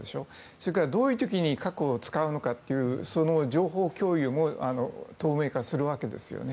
それからどういう時に核を使うのかという情報共有も透明化するわけですよね。